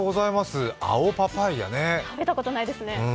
食べたことないですね。